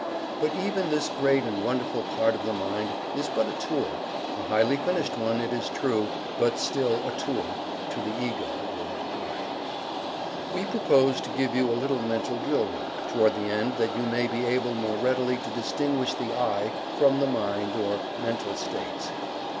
But even this great and wonderful part of the mind is but a tool a highly finished one, it is true, but still a tool to the Ego, or "I." We propose to give you a little mental drill work, toward the end that you may be able more readily to distinguish the "I" from the mind, or mental states.